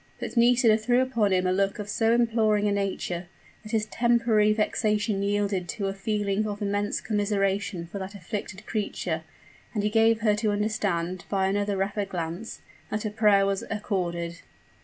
But Nisida threw upon him a look of so imploring a nature, that his temporary vexation yielded to a feeling of immense commiseration for that afflicted creature: and he gave her to understand, by another rapid glance, that her prayer was accorded.